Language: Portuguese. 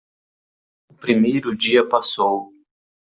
O primeiro dia passou.